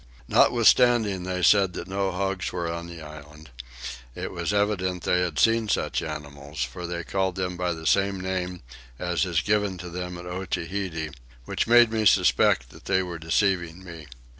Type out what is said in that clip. Notwithstanding they said that no hogs were on the island it was evident they had seen such animals; for they called them by the same name as is given to them at Otaheite, which made me suspect that they were deceiving me.